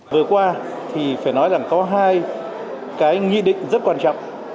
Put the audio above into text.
vừa qua thì phải nói rằng có hai cái nghị định rất quan trọng